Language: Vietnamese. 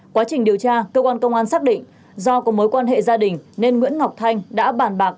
quá trình điều tra cơ quan công an xác định do có mối quan hệ gia đình nên nguyễn ngọc thanh đã bàn bạc